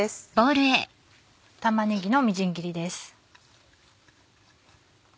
玉ねぎのみじん切りです。